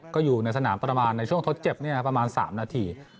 ก็อยู่ในสนามประมาณในช่วงทดเจ็บประมาณ๓นาที